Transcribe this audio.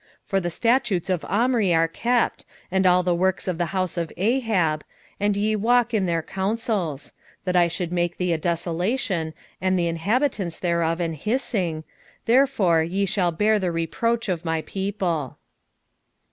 6:16 For the statutes of Omri are kept, and all the works of the house of Ahab, and ye walk in their counsels; that I should make thee a desolation, and the inhabitants thereof an hissing: therefore ye shall bear the reproach of my people.